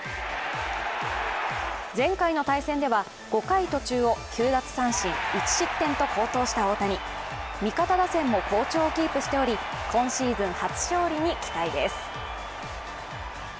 前回の対戦では、５回途中を９奪三振１失点と好投した大谷。味方打線も好調をキープしており、今シーズン初勝利に期待です。